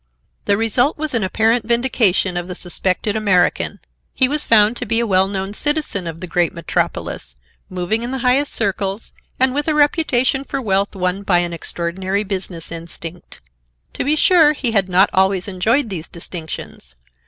The result was an apparent vindication of the suspected American. He was found to be a well known citizen of the great metropolis, moving in the highest circles and with a reputation for wealth won by an extraordinary business instinct. To be sure, he had not always enjoyed these distinctions.